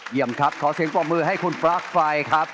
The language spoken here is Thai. เยี่ยมครับขอเสียงปรบมือให้คุณปลั๊กไฟครับ